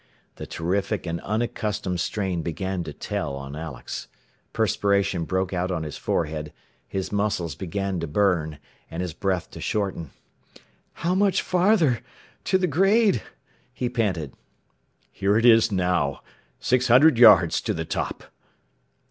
The terrific and unaccustomed strain began to tell on Alex. Perspiration broke out on his forehead, his muscles began to burn, and his breath to shorten. "How much farther ... to the grade?" he panted. "Here it is now. Six hundred yards to the top."